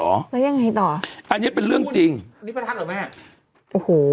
แล้วยังไงต่ออันนี้เป็นเรื่องจริงอันนี้ประทัดเหรอแม่โอ้โห